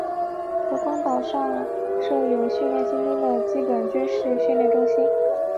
德光岛上设有训练新兵的基本军事训练中心。